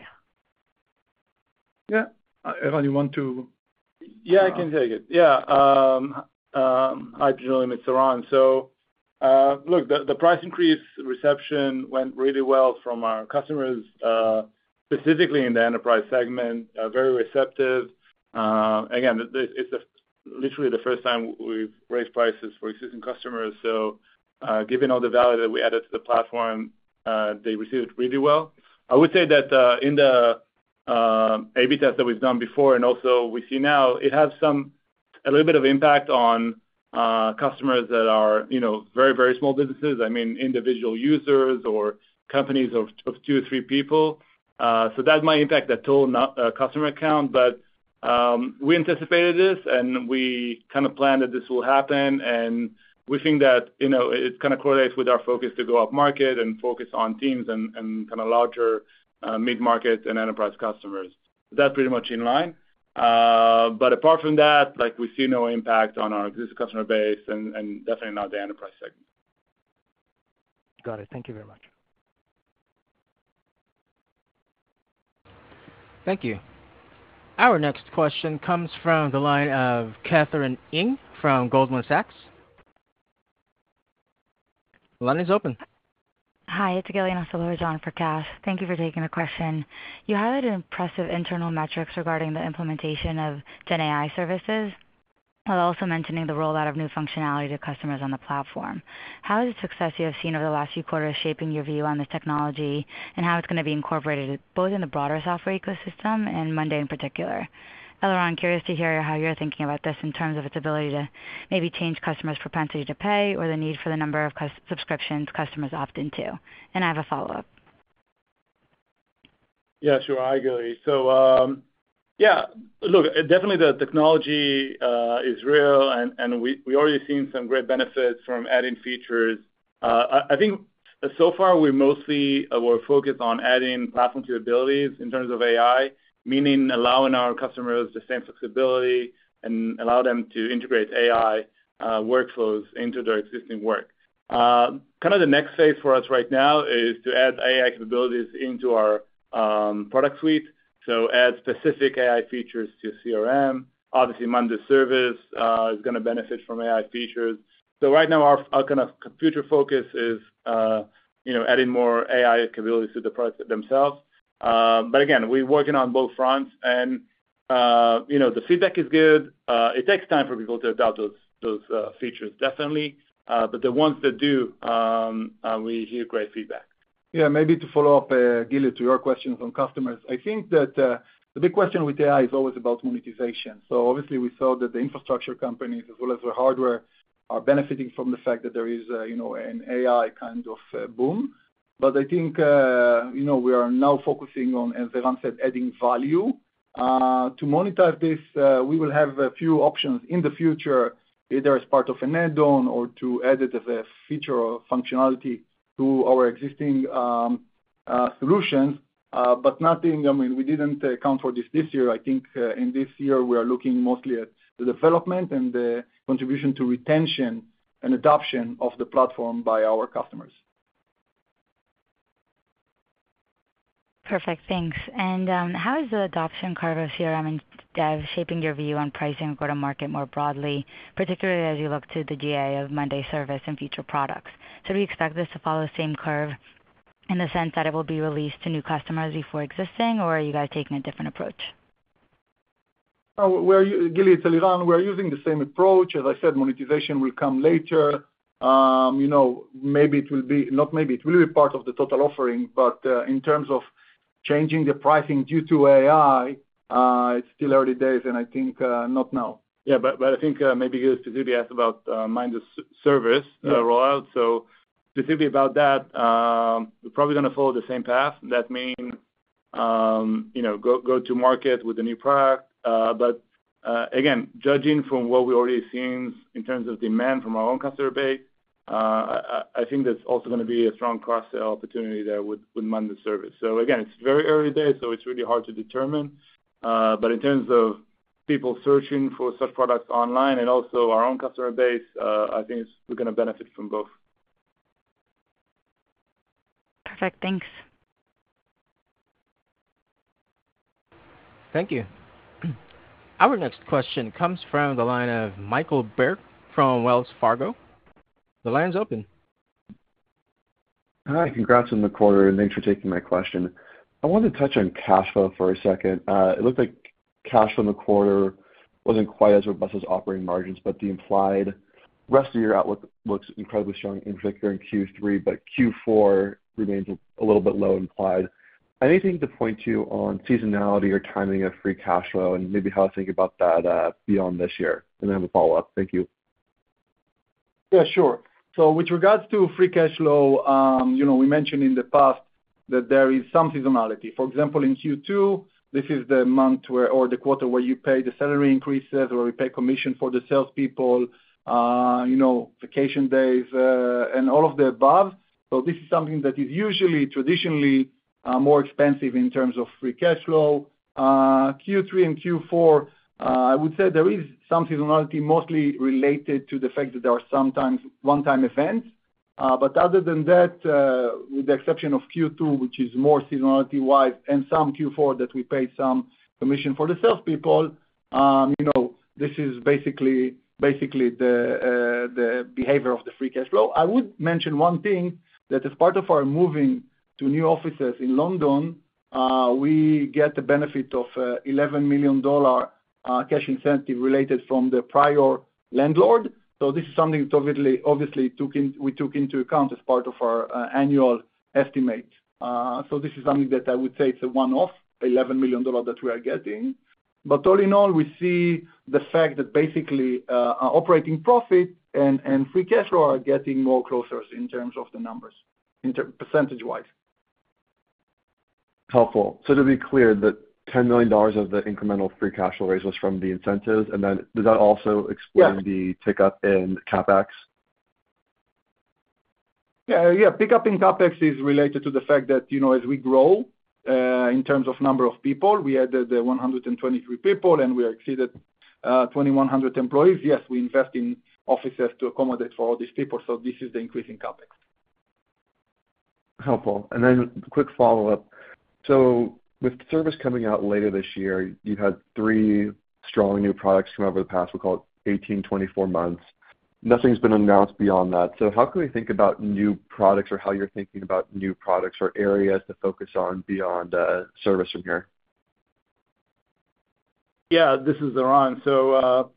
Yeah. Eran, you want to? Yeah, I can take it. Yeah. Hi, Pinjalim, it's Eran. So, look, the price increase reception went really well from our customers, specifically in the enterprise segment, very receptive. Again, this, it's literally the first time we've raised prices for existing customers, so, given all the value that we added to the platform, they received it really well. I would say that, in the A/B test that we've done before and also we see now, it has some little bit of impact on, customers that are, you know, very, very small businesses, I mean, individual users or companies of two or three people. So that might impact the total customer count, but we anticipated this, and we kind of planned that this will happen, and we think that, you know, it kind of correlates with our focus to go up market and focus on teams and kind of larger mid-market and enterprise customers. That's pretty much in line. But apart from that, like, we see no impact on our existing customer base and definitely not the enterprise segment. Got it. Thank you very much. Thank you. Our next question comes from the line of Katherine Ng from Goldman Sachs. The line is open. Hi, it's Giuliana Soler for Kath. Thank you for taking the question. You highlighted impressive internal metrics regarding the implementation of GenAI services, while also mentioning the rollout of new functionality to customers on the platform. How is the success you have seen over the last few quarters shaping your view on the technology, and how it's going to be incorporated, both in the broader software ecosystem and monday in particular? Eliran, curious to hear how you're thinking about this in terms of its ability to maybe change customers' propensity to pay, or the need for the number of customer subscriptions customers opt into. I have a follow-up. Yeah, sure. Hi, Gilly. So, yeah, look, definitely the technology is real, and we already seen some great benefits from adding features. I think so far, we mostly were focused on adding platform capabilities in terms of AI, meaning allowing our customers the same flexibility and allow them to integrate AI workflows into their existing work. Kind of the next phase for us right now is to add AI capabilities into our product suite, so add specific AI features to CRM. Obviously, monday service is going to benefit from AI features. So right now, our kind of future focus is, you know, adding more AI capabilities to the products themselves. But again, we're working on both fronts, and, you know, the feedback is good. It takes time for people to adopt those features, definitely. But the ones that do, we hear great feedback. Yeah, maybe to follow up, Gilly, to your question on customers. I think that the big question with AI is always about monetization. So obviously, we saw that the infrastructure companies, as well as the hardware, are benefiting from the fact that there is a, you know, an AI kind of boom. But I think, you know, we are now focusing on, as Eran said, adding value. To monetize this, we will have a few options in the future, either as part of an add-on or to add it as a feature or functionality to our existing solutions, but nothing. I mean, we didn't account for this, this year. I think, in this year, we are looking mostly at the development and the contribution to retention and adoption of the platform by our customers. Perfect, thanks. And, how is the adoption of CRM and Dev shaping your view on pricing go-to-market more broadly, particularly as you look to the GA of monday service and future products? So do you expect this to follow the same curve in the sense that it will be released to new customers before existing, or are you guys taking a different approach? Gilly, it's Eliran. We're using the same approach. As I said, monetization will come later. You know, maybe it will be. Not maybe, it will be part of the total offering, but in terms of changing the pricing due to AI, it's still early days, and I think not now. Yeah, but I think maybe Gilly specifically asked about monday.com's service- rollout. So specifically about that, we're probably going to follow the same path. That means, you know, go to market with a new product. But again, judging from what we've already seen in terms of demand from our own customer base, I think that's also going to be a strong cross-sell opportunity there with monday service. So again, it's very early days, so it's really hard to determine. But in terms of people searching for such products online and also our own customer base, I think it's we're going to benefit from both. Perfect. Thanks. Thank you. Our next question comes from the line of Michael Berg from Wells Fargo. The line's open. Hi, congrats on the quarter, and thanks for taking my question. I wanted to touch on cash flow for a second. It looked like cash flow in the quarter wasn't quite as robust as operating margins, but the implied rest of your outlook looks incredibly strong, in particular in Q3, but Q4 remains a, a little bit low implied. Anything to point to on seasonality or timing of free cash flow, and maybe how to think about that, beyond this year? And I have a follow-up. Thank you. Yeah, sure. So with regards to free cash flow, you know, we mentioned in the past that there is some seasonality. For example, in Q2, this is the month where or the quarter where you pay the salary increases, or we pay commission for the salespeople, you know, vacation days, and all of the above. So this is something that is usually traditionally, more expensive in terms of free cash flow. Q3 and Q4, I would say there is some seasonality, mostly related to the fact that there are sometimes one-time events. But other than that, with the exception of Q2, which is more seasonality-wide and some Q4, that we paid some commission for the salespeople, you know, this is basically, basically the, the behavior of the free cash flow. I would mention one thing, that as part of our moving to new offices in London, we get the benefit of a $11 million cash incentive related from the prior landlord. So this is something obviously, obviously, we took into account as part of our annual estimate. So this is something that I would say it's a one-off $11 million that we are getting. But all in all, we see the fact that basically our operating profit and free cash flow are getting more closer in terms of the numbers, in percentage-wise. Helpful. So to be clear, that $10 million of the incremental free cash flow raise was from the incentives, and then does that also explain Yes the pickup in CapEx? Yeah, yeah, pickup in CapEx is related to the fact that, you know, as we grow in terms of number of people, we added 123 people, and we exceeded 2,100 employees. Yes, we invest in offices to accommodate for all these people, so this is the increase in CapEx. Helpful. And then quick follow-up, so with service coming out later this year, you've had 3 strong new products come over the past, we call it 18, 24 months. Nothing's been announced beyond that. So how can we think about new products or how you're thinking about new products or areas to focus on beyond service from here? Yeah, this is Eran. So,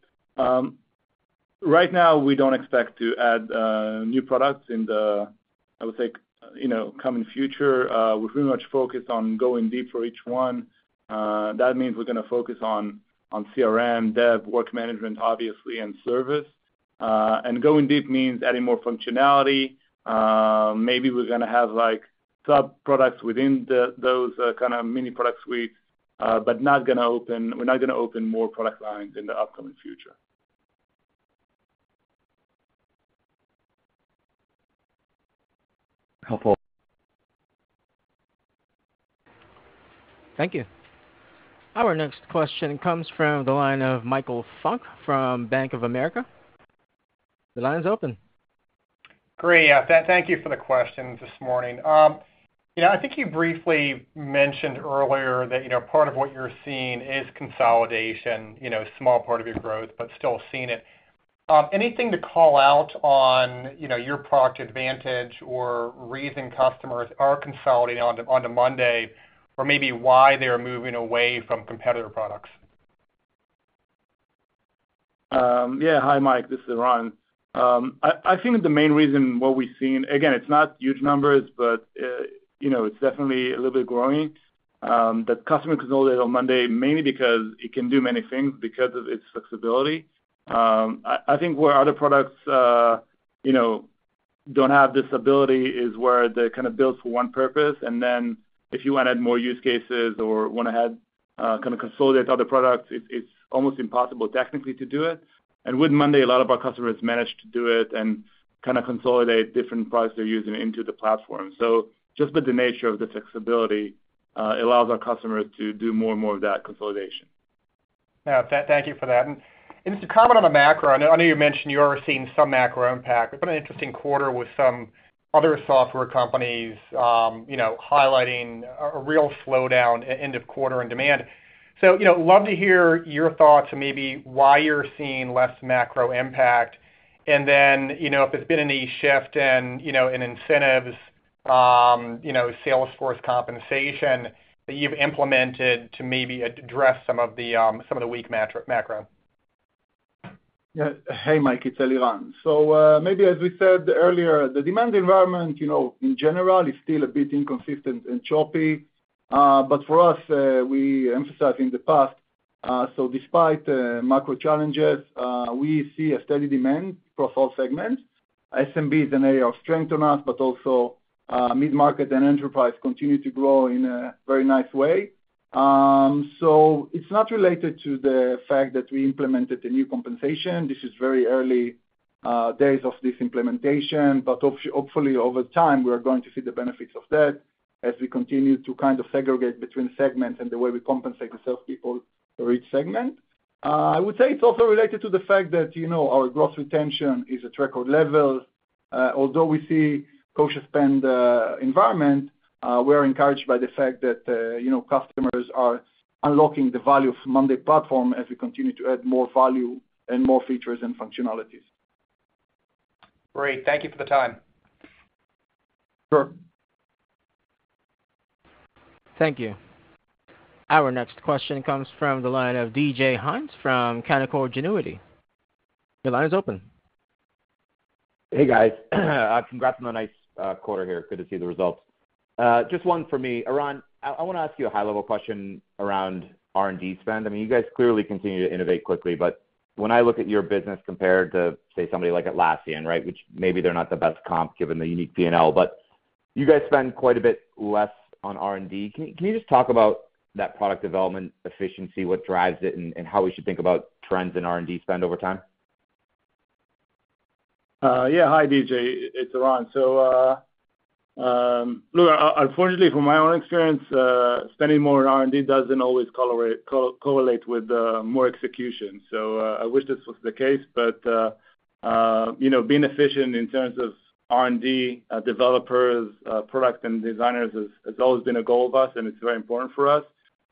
right now, we don't expect to add new products in the, I would say, you know, coming future. We're pretty much focused on going deeper each one. That means we're going to focus on, on CRM, dev, work management, obviously, and service. And going deep means adding more functionality. Maybe we're gonna have, like, sub-products within the, those, kind of mini product suite, but not gonna open, we're not gonna open more product lines in the upcoming future. Helpful. Thank you. Our next question comes from the line of Michael Funk from Bank of America. The line is open. Great. Yeah, thank you for the question this morning. Yeah, I think you briefly mentioned earlier that, you know, part of what you're seeing is consolidation, you know, small part of your growth, but still seeing it. Anything to call out on, you know, your product advantage or reason customers are consolidating onto, onto Monday, or maybe why they are moving away from competitor products? Yeah. Hi, Mike, this is Eran. I think the main reason what we've seen, again, it's not huge numbers, but, you know, it's definitely a little bit growing, that customer consolidate on monday, mainly because it can do many things because of its flexibility. I think where other products, you know, don't have this ability is where they're kind of built for one purpose, and then if you wanna add more use cases or wanna have, kind of consolidate other products, it's almost impossible technically to do it. And with Monday, a lot of our customers manage to do it and kind of consolidate different products they're using into the platform. So just with the nature of the flexibility, allows our customers to do more and more of that consolidation. Yeah. Thank you for that. And just to comment on the macro, I know you mentioned you are seeing some macro impact. It's been an interesting quarter with some other software companies, you know, highlighting a real slowdown at end of quarter in demand. So, you know, love to hear your thoughts on maybe why you're seeing less macro impact, and then, you know, if there's been any shift in, you know, in incentives, you know, sales force compensation that you've implemented to maybe address some of the, some of the weak macro. Yeah. Hey, Mike, it's Eliran. So, maybe as we said earlier, the demand environment, you know, in general, is still a bit inconsistent and choppy. But for us, we emphasized in the past, so despite macro challenges, we see a steady demand across all segments. SMB is an area of strength for us, but also, mid-market and enterprise continue to grow in a very nice way. So it's not related to the fact that we implemented a new compensation. This is very early days of this implementation, but hopefully, over time, we are going to see the benefits of that as we continue to kind of segregate between segments and the way we compensate the sales people for each segment. I would say it's also related to the fact that, you know, our gross retention is at record levels. Although we see cautious spending environment, we're encouraged by the fact that, you know, customers are unlocking the value of monday platform as we continue to add more value and more features and functionalities. Great. Thank you for the time. Sure. Thank you. Our next question comes from the line of DJ Hynes from Canaccord Genuity. Your line is open. Hey, guys. Congrats on a nice quarter here. Good to see the results. Just one for me. Eran, I wanna ask you a high-level question around R&D spend. I mean, you guys clearly continue to innovate quickly, but when I look at your business compared to, say, somebody like Atlassian, right, which maybe they're not the best comp, given the unique P&L, but you guys spend quite a bit less on R&D. Can you just talk about that product development efficiency, what drives it, and how we should think about trends in R&D spend over time? Yeah. Hi, DJ, it's Eran. So, unfortunately, from my own experience, spending more on R&D doesn't always correlate with more execution. So, I wish this was the case, but, you know, being efficient in terms of R&D, developers, product and designers has always been a goal of us, and it's very important for us.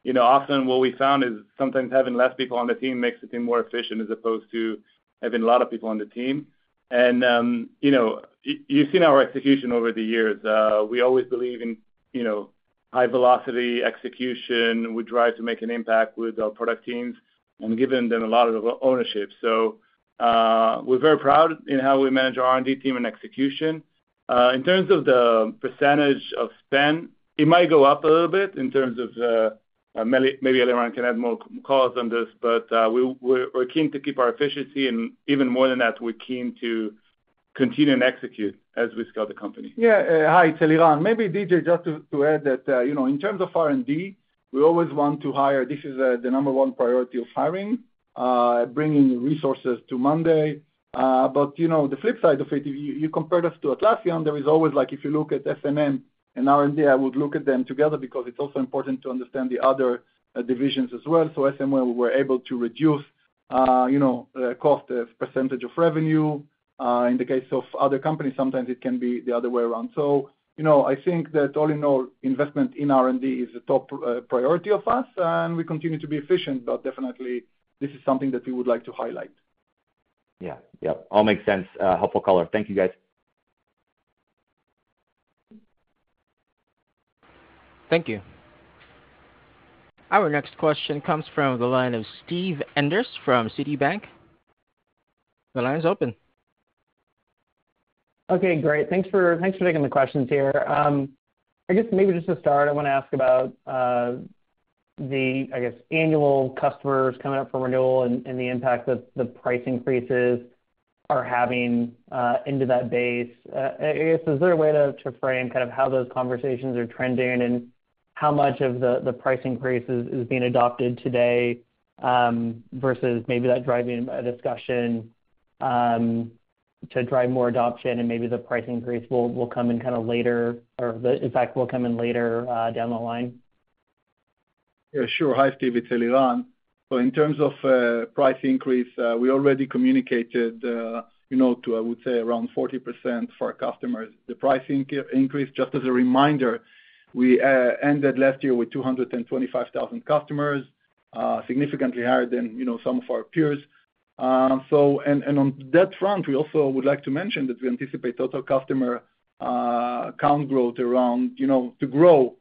You know, often what we found is sometimes having less people on the team makes the team more efficient, as opposed to having a lot of people on the team. And, you know, you've seen our execution over the years. We always believe in, you know, high velocity execution. We try to make an impact with our product teams and giving them a lot of ownership. So, we're very proud in how we manage our R&D team and execution. In terms of the percentage of spend, it might go up a little bit in terms of, maybe Eliran can add more colors on this, but we're keen to keep our efficiency, and even more than that, we're keen to continue and execute as we scale the company. Yeah. Hi, it's Eliran. Maybe, DJ, just to add that, you know, in terms of R&D, we always want to hire... This is the number one priority of hiring, bringing resources to monday. But, you know, the flip side of it, you compared us to Atlassian. There is always, like, if you look at S&M and R&D, I would look at them together because it's also important to understand the other divisions as well. So S&M, we were able to reduce, you know, cost as percentage of revenue. In the case of other companies, sometimes it can be the other way around. So, you know, I think that all in all, investment in R&D is a top priority of us, and we continue to be efficient, but definitely this is something that we would like to highlight. Yeah. Yep. All makes sense. Helpful color. Thank you, guys. Thank you. Our next question comes from the line of Steve Enders from Citibank. The line is open. Okay, great. Thanks for taking the questions here. I guess maybe just to start, I want to ask about the I guess annual customers coming up for renewal and the impact that the price increases are having into that base. I guess, is there a way to frame kind of how those conversations are trending, and how much of the price increase is being adopted today, versus maybe that driving a discussion to drive more adoption and maybe the price increase will come in kind of later or the impact will come in later down the line? Yeah, sure. Hi, Steve, it's Eliran. So in terms of price increase, we already communicated, you know, to, I would say, around 40% for our customers. The price increase, just as a reminder, we ended last year with 225,000 customers, significantly higher than, you know, some of our peers. So, on that front, we also would like to mention that we anticipate total customer account growth around, you know, to grow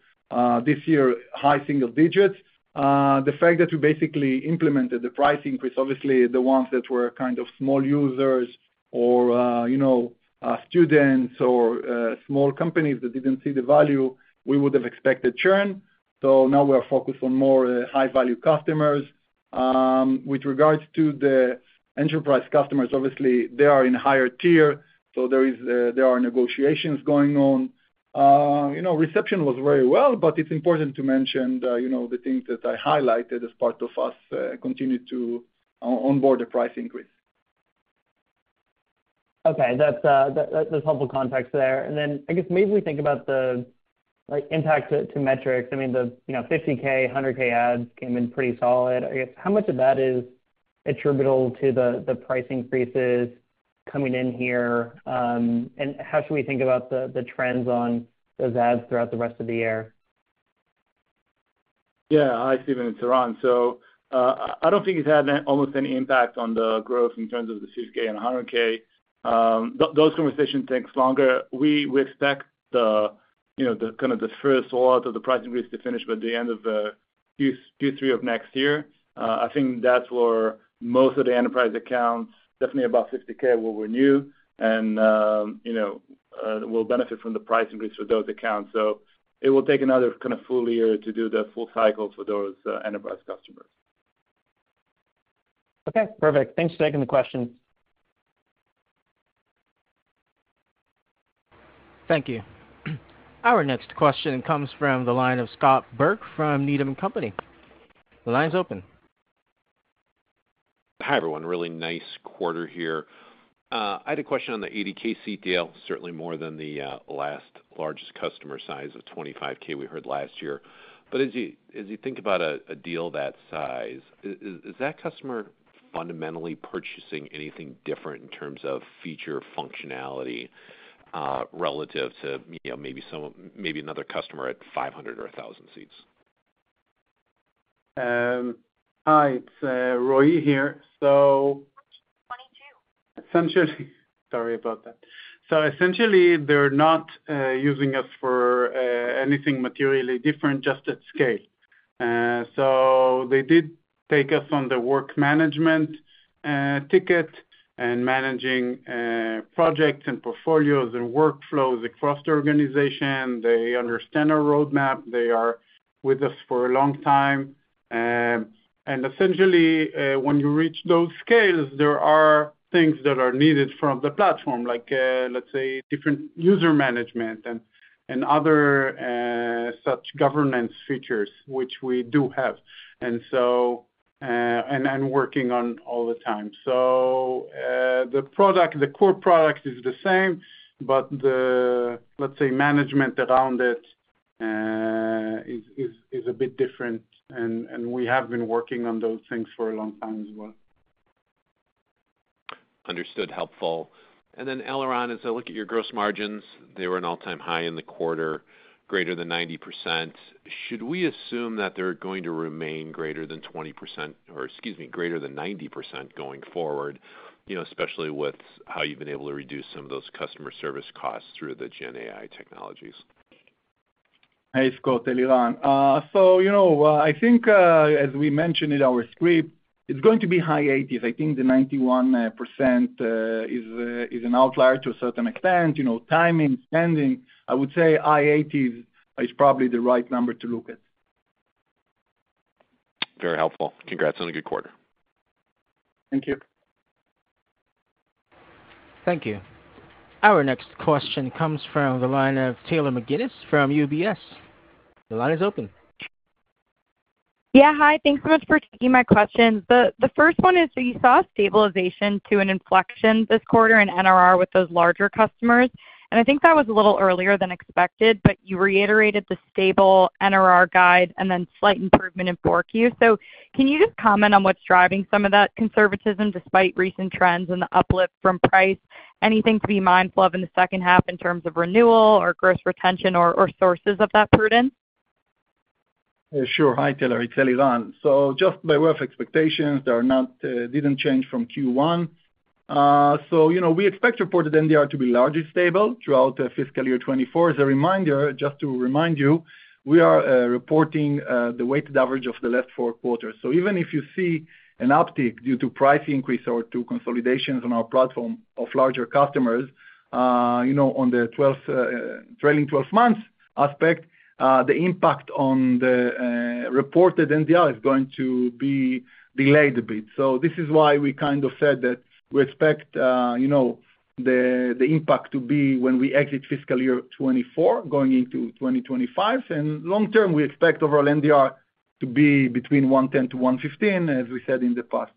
this year, high single digits. The fact that we basically implemented the price increase, obviously, the ones that were kind of small users or, you know, students or small companies that didn't see the value, we would have expected churn. So now we are focused on more high-value customers. With regards to the enterprise customers, obviously, they are in higher tier, so there are negotiations going on. You know, reception was very well, but it's important to mention, you know, the things that I highlighted as part of us continue to onboard the price increase. Okay. That's helpful context there. And then I guess maybe we think about the like impact to metrics. I mean the you know $50,000, $100,000 adds came in pretty solid. I guess how much of that is attributable to the price increases coming in here? And how should we think about the trends on those adds throughout the rest of the year? Yeah. Hi, Steven, it's Eran. So, I don't think it's had almost any impact on the growth in terms of the $50,000 and $100,000. Those conversations takes longer. We expect, you know, the kind of the first lot of the price increase to finish by the end of Q3 of next year. I think that's where most of the enterprise accounts, definitely about $50,000 will renew and, you know, will benefit from the price increase for those accounts. So it will take another kind of full year to do the full cycle for those enterprise customers. Okay, perfect. Thanks for taking the question. Thank you. Our next question comes from the line of Scott Berg from Needham & Company. The line is open. Hi, everyone. Really nice quarter here. I had a question on the 80,000-seat deal, certainly more than the last largest customer size of 25,000 we heard last year. But as you think about a deal that size, is that customer fundamentally purchasing anything different in terms of feature functionality, relative to, you know, maybe some of maybe another customer at 500 or 1,000 seats? Hi, it's Roy here. Sorry about that. So essentially, they're not using us for anything materially different, just at scale. So they did take us on the work management ticket and managing projects and portfolios and workflows across the organization. They understand our roadmap. They are with us for a long time. And essentially, when you reach those scales, there are things that are needed from the platform, like, let's say, different user management and other such governance features, which we do have, and so, and I'm working on all the time. So, the product, the core product is the same, but the, let's say, management around it is, is, is a bit different, and, and we have been working on those things for a long time as well. Understood. Helpful. And then, Eliran, as I look at your gross margins, they were an all-time high in the quarter, greater than 90%. Should we assume that they're going to remain greater than 20%, or excuse me, greater than 90% going forward, you know, especially with how you've been able to reduce some of those customer service costs through the GenAI technologies? Hey, Scott, Eliran. So, you know, I think, as we mentioned in our script, it's going to be high 80%s. I think the 91% is an outlier to a certain extent, you know, timing, spending. I would say high 80%s is probably the right number to look at. Very helpful. Congrats on a good quarter. Thank you. Thank you. Our next question comes from the line of Taylor McGinnis from UBS. The line is open. Yeah, hi. Thanks so much for taking my question. The first one is, so you saw a stabilization to an inflection this quarter in NRR with those larger customers, and I think that was a little earlier than expected, but you reiterated the stable NRR guide and then slight improvement in Q4. So can you just comment on what's driving some of that conservatism, despite recent trends and the uplift from price? Anything to be mindful of in the second half in terms of renewal or gross retention or sources of that prudence? Sure. Hi, Taylor, it's Eliran. So just by way of expectations, they are not, didn't change from Q1. So, you know, we expect reported NDR to be largely stable throughout, fiscal year 2024. As a reminder, just to remind you, we are reporting the weighted average of the last four quarters. So even if you see an uptick due to price increase or to consolidations on our platform of larger customers, you know, on the trailing twelve months aspect, the impact on the reported NDR is going to be delayed a bit. So this is why we kind of said that we expect, you know, the, the impact to be when we exit fiscal year 2024, going into 2025. Long term, we expect overall NDR to be between 110%-115%, as we said in the past.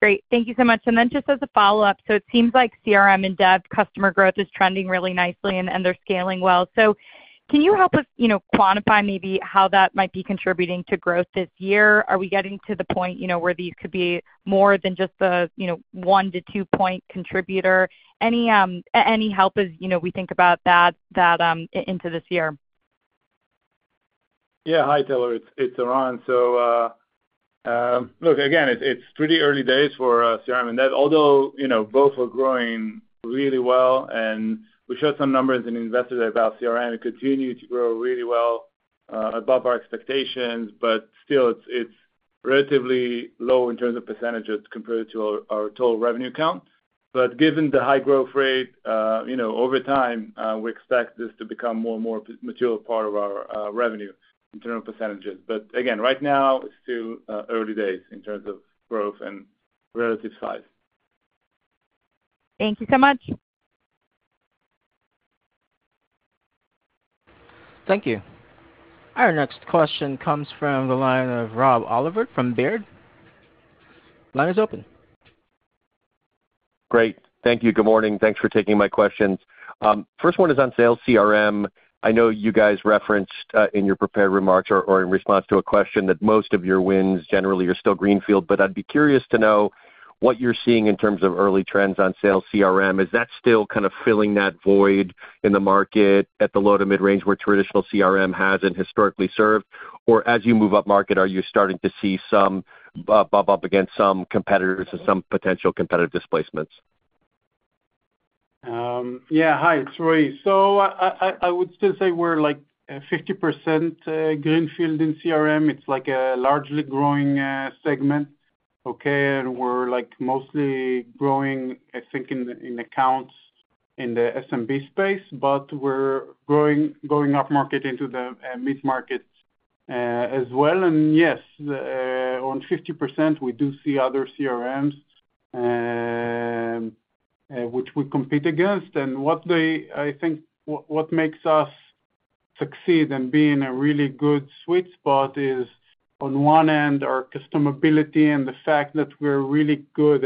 Great. Thank you so much. And then just as a follow-up, so it seems like CRM and dev customer growth is trending really nicely, and they're scaling well. So can you help us, you know, quantify maybe how that might be contributing to growth this year? Are we getting to the point, you know, where these could be more than just a, you know, 1 point to 2 point contributor? Any help as, you know, we think about that into this year. Yeah. Hi, Taylor, it's Eran. So, look, again, it's pretty early days for CRM, and although, you know, both are growing really well, and we showed some numbers in Investor Day about CRM. It continued to grow really well, above our expectations, but still it's relatively low in terms of percentages compared to our total revenue count. But given the high growth rate, you know, over time, we expect this to become more and more material part of our revenue in terms of percentages. But again, right now, it's still early days in terms of growth and relative size. Thank you so much. Thank you. Our next question comes from the line of Rob Oliver from Baird. Line is open. Great. Thank you. Good morning. Thanks for taking my questions. First one is on Sales CRM. I know you guys referenced, in your prepared remarks or, or in response to a question, that most of your wins generally are still greenfield. But I'd be curious to know what you're seeing in terms of early trends on sales CRM. Is that still kind of filling that void in the market at the low to mid-range where traditional CRM hasn't historically served? Or as you move up market, are you starting to see some, bump up against some competitors and some potential competitive displacements? Yeah. Hi, it's Roy. So I would still say we're, like, 50% greenfield in CRM. It's like a largely growing segment, okay? And we're, like, mostly growing, I think, in accounts in the SMB space. But we're growing, going up market into the mid-market as well. And yes, on 50%, we do see other CRMs which we compete against. And what they, I think what makes us succeed in being a really good sweet spot is, on one end, our customability and the fact that we're really good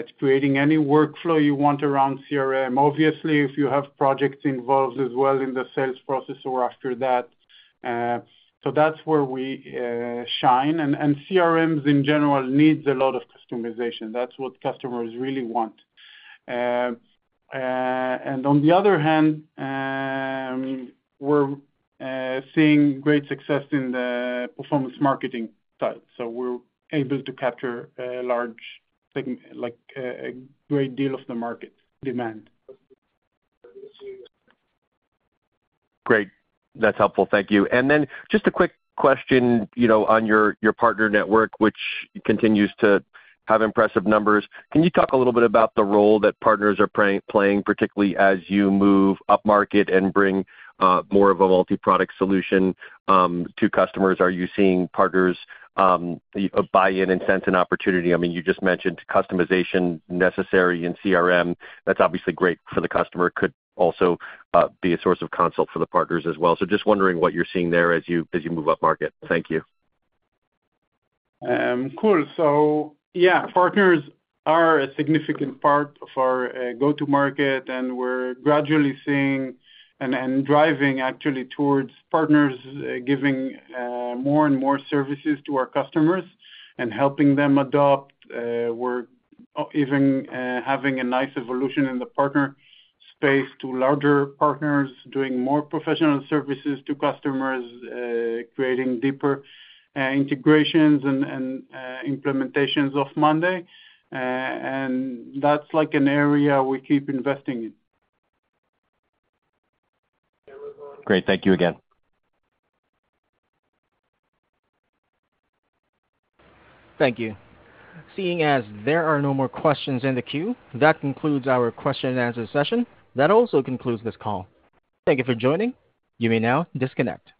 at creating any workflow you want around CRM. Obviously, if you have projects involved as well in the sales process or after that, so that's where we shine. And CRMs in general need a lot of customization. That's what customers really want. On the other hand, we're seeing great success in the performance marketing side, so we're able to capture a large segment, like, a great deal of the market demand. Great. That's helpful. Thank you. And then just a quick question, you know, on your partner network, which continues to have impressive numbers. Can you talk a little bit about the role that partners are playing, particularly as you move upmarket and bring more of a multi-product solution to customers? Are you seeing partners buy in and sense an opportunity? I mean, you just mentioned customization necessary in CRM. That's obviously great for the customer, could also be a source of consulting for the partners as well. So just wondering what you're seeing there as you move upmarket. Thank you. Cool. So yeah, partners are a significant part of our go-to market, and we're gradually seeing and driving actually towards partners giving more and more services to our customers and helping them adopt. We're even having a nice evolution in the partner space to larger partners, doing more professional services to customers, creating deeper integrations and implementations of Monday. And that's like an area we keep investing in. Great. Thank you again. Thank you. Seeing as there are no more questions in the queue, that concludes our question-and-answer session. That also concludes this call. Thank you for joining. You may now disconnect.